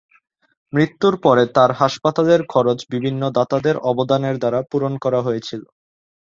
মৃত্যুর পরে তাঁঁর হাসপাতালের খরচ বিভিন্ন দাতাদের অবদানের দ্বারা পূরণ করা হয়েছিল।